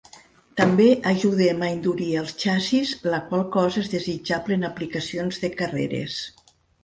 També ajuden a endurir el xassís, la qual cosa és desitjable en aplicacions de carreres.